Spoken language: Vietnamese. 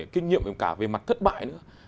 kinh nghiệm cả về mặt thất bại nữa